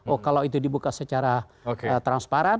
oh kalau itu dibuka secara transparan